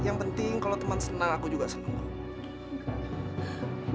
yang penting kalau teman senang aku juga senang